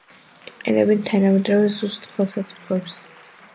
იყენებენ თანამედროვე ზუსტ ხელსაწყოებს.